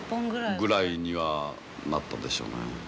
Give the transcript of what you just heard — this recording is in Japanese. ぐらいにはなったでしょうね。